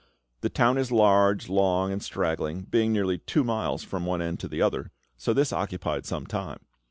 The town is large, long, and straggling, being nearly two miles from one end to the other, so this occupied some time.